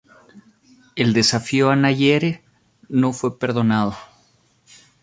El desafío a Nyerere no fue perdonado.